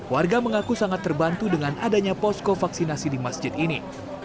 warga mengaku sangat terbantu dengan adanya posko vaksinasi di masjid ini